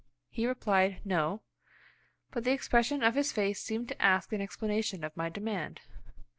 He replied: "No." But the expression of his face seemed to ask an explanation of my demand.